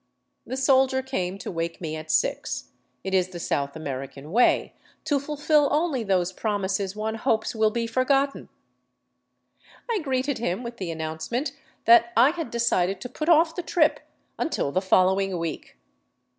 The soldier came to wake me at six — it is the South American way to fulfill only those promises one hopes will be forgotten. I greeted him with the announcement that I had decided to put off the trip until the following week.